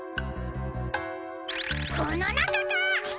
このなかか？